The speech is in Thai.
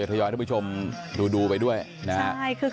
มันจริงจริงกล่องสารน้องกล่องแกง